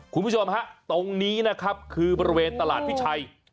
คุณผู้ชมฮะตรงนี้นะครับคือบริเวณตลาดพิชัย